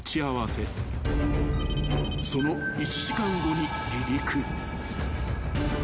［その１時間後に］